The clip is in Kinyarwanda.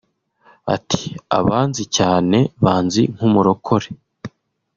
ati “Abanzi cyane banzi nk’umurokore